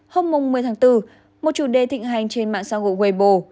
hôm một mươi tháng bốn một chủ đề thịnh hành trên mạng xã hội webo